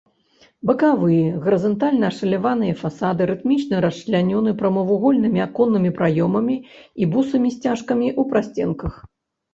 Бакавыя гарызантальна ашаляваныя фасады рытмічна расчлянёны прамавугольнымі аконнымі праёмамі і бусамі-сцяжкамі ў прасценках.